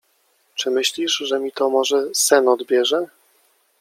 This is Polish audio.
— Czy myślisz, że mi to może sen odbierze?